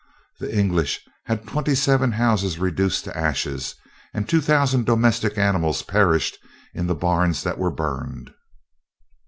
The English had twenty seven houses reduced to ashes, and two thousand domestic animals perished in the barns that were burned.